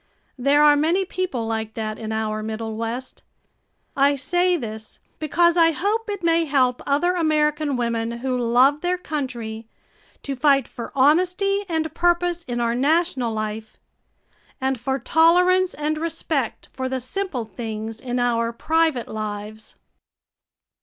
There are many people like that in our Middle West. I say this, because I hope it may help other American women who love their country to fight for honesty and purpose in our national life, and for tolerance and respect for the simple things in our private lives.